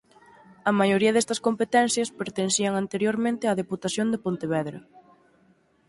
A maioría destas competencias pertencían anteriormente á Deputación de Pontevedra.